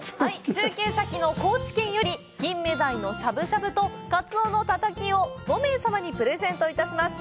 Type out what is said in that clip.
中継先の高知県よりキンメダイのしゃぶしゃぶと、カツオのタタキを５名様にプレゼントいたします。